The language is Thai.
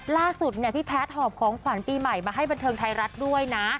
ล่าสุดเนี่ยพี่แพทย์หอบของขวัญปีใหม่มาให้บันเทิงไทยรัฐด้วยนะ